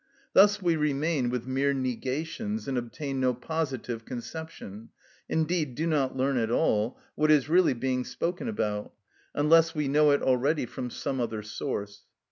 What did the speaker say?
Thus we remain with mere negations and obtain no positive conception, indeed do not learn at all, what is really being spoken about, unless we know it already from some other source.